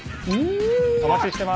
お待ちしてます。